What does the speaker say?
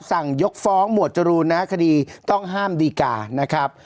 สั่งยกฟ้องหมวกจรูนคดีต้องห้ามดีกราบ